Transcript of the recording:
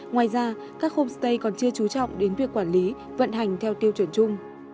ngoài ra các homestay còn chưa trú trọng đến việc quản lý vận hành theo tiêu chuẩn chung